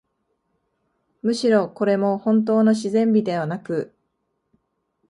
むしろ、これもほんとうの自然美ではなく、